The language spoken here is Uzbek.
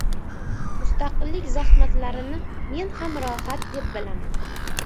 Mustaqillik zahmatlarini men ham rohat deb bilaman.